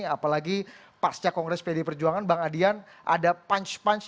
apalagi pasca kongres pdi perjuangan bang adian ada punch punch